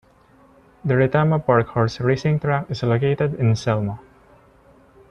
The Retama Park horse racing track is located in Selma.